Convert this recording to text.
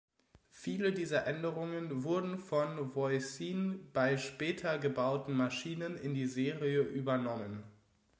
Viele dieser Änderungen wurden von Voisin bei später gebauten Maschinen in die Serie übernommen.